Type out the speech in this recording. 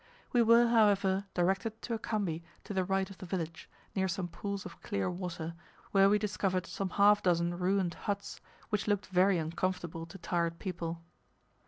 We were, however, directed to a khambi to the right of the village, near some pools of clear water, where we discovered some half dozen ruined huts, which looked very uncomfortable to tired people.